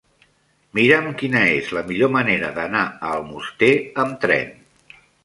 Mira'm quina és la millor manera d'anar a Almoster amb tren.